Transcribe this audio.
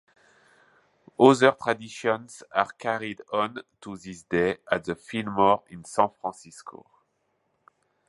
Other traditions are carried on to this day at the Fillmore in San Francisco.